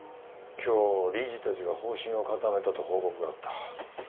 今日理事たちが方針を固めたと報告があった。